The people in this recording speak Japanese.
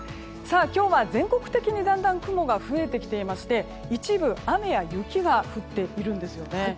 今日は全国的にだんだん雲が増えてきていまして一部、雨や雪が降っているんですよね。